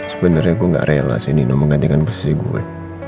sebenernya gue gak rela sih nino menggantikan posisi gue